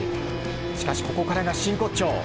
しかしここからが真骨頂。